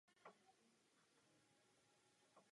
O rok později vyhrál zimní sérii italské Formule Renault.